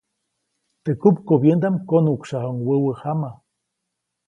Teʼ kupkubyäŋdaʼm konuʼksyajuʼuŋ wäwä jama.